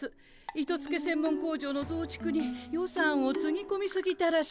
糸つけ専門工場のぞうちくに予算をつぎこみすぎたらしいの。